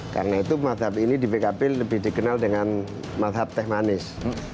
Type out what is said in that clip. karena itu mazhab ini di pkb lebih dikenal dengan mazhab teh manis